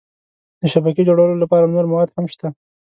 د شبکې جوړولو لپاره نور مواد هم شته.